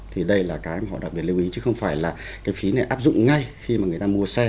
thì đây là cái mà họ đặc biệt lưu ý chứ không phải là cái phí này áp dụng ngay khi mà người ta mua xe